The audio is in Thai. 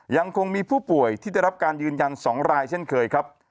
ยังคงมีผู้ป่วยที่ได้รับการยืนยัน๒รายเช่นเคยครับ